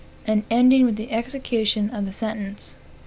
and ending with the execution of the sentence.